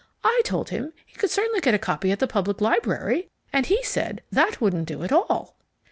I told him he could certainly get a copy at the Public Library, and he said that wouldn't do at all."